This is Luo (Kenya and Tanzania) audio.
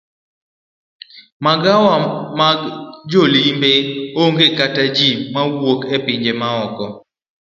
Magawa mag jolimbe onge koda ji mawuok e pinje maoko.